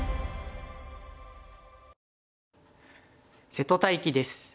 瀬戸大樹です。